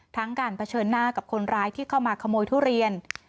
ทั้งการเผชิญหน้ากับคนร้ายที่เข้ามาขโมยทุเรียน